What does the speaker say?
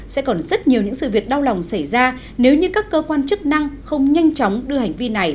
sẽ còn rất nhiều những sự việc đau lòng xảy ra nếu như các cơ quan chức năng không nhanh chóng đưa hành vi này